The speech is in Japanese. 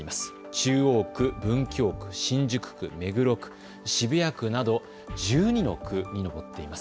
中央区、文京区、新宿区、目黒区、渋谷区など１２の区に上っています。